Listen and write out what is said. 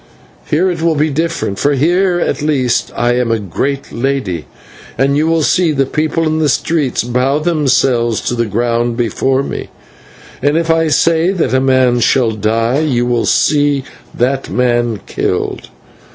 Here it will be different, for here at least I am a great lady, and you will see the people in the streets bow themselves to the ground before me; and if I say that a man shall die, you will see that man killed.